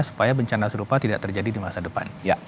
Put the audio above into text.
supaya bencana serupa tidak terjadi di masa depan